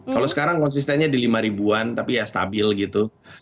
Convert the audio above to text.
kalau sekarang konsistennya di lima ribuan tapi ya stabil gitu